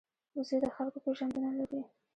وزې د خلکو پېژندنه لري